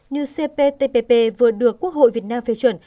như cptpp vừa được quốc hội việt nam phê chuẩn